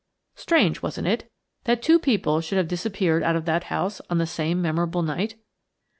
Strange, wasn't it, that two people should have disappeared out of that house on that same memorable night?